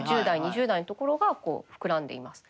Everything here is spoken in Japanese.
１０代２０代の所が膨らんでいます。